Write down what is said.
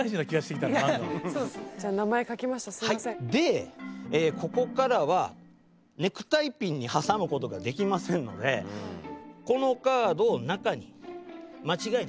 でここからはネクタイピンに挟むことができませんのでこのカード中に間違いなく入ります。